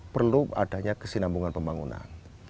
perlu adanya kesinambungan pembangunan